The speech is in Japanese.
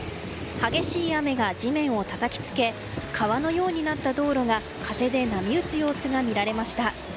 激しい雨が地面をたたきつけ川のようになった道路が風で波打つ様子が見られました。